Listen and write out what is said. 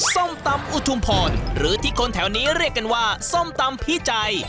ส้มตำอุทุมพรหรือที่คนแถวนี้เรียกกันว่าส้มตำพี่ใจ